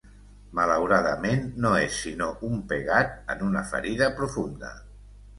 Malauradament, no és sinó un pegat en una ferida profunda.